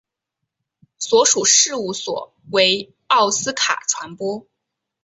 所属事务所为奥斯卡传播。